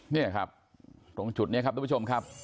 นี่ครับตรงจุดนี้ครับทุกผู้ชมครับ